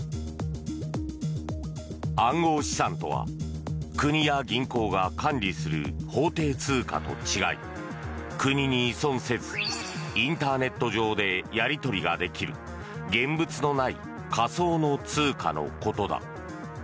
暗号資産とは国や銀行が管理する法定通貨と違い国に依存せずインターネット上でやりとりができる現物のない仮想の通貨のことだ。